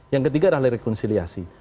yang ketiga adalah rekonsiliasi